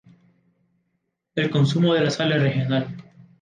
El consumo de la sal es regional.